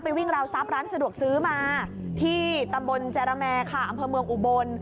วิ่งราวทรัพย์ร้านสะดวกซื้อมาที่ตำบลจาระแมค่ะอำเภอเมืองอุบล